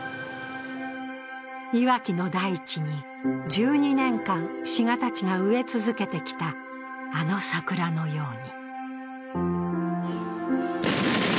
いわきの大地に１２年間志賀たちが植え続けてきたあの桜のように。